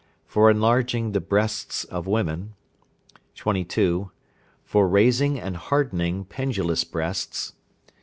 For enlarging the breasts of women. 22. For raising and hardening pendulous breasts.